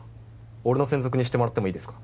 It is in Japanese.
俺の専属にしてもらってもいいですか？